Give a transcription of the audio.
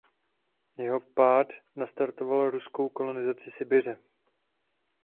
Jeho pád nastartoval ruskou kolonizaci Sibiře.